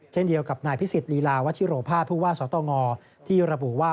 เช่นเดียวกับนายพิสิทธิลีลาวัชิโรภาผู้ว่าสตงที่ระบุว่า